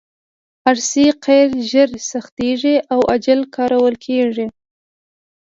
ار سي قیر ژر سختیږي او عاجل کارول کیږي